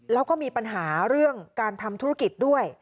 แล้วก็มีปัญหาเรื่องการทำธุรกิจด้วย